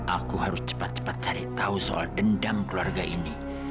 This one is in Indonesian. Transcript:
aku harus cepat cepat cari tahu soal dendam keluarga ini